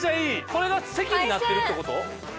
これが席になってるって事？